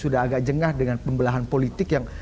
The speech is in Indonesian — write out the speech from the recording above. sudah agak jengah dengan pembelahan politik yang